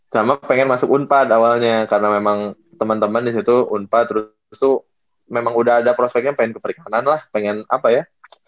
sama pengen masuk unpad awalnya karena memang temen temen disitu unpad terus itu memang udah ada prospeknya pengen ke perikanan lah pengen apa ya